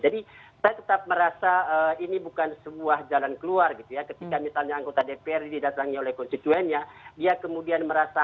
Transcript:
dengan ibu ibu pkk bagaimana